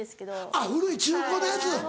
あっ古い中古のやつ。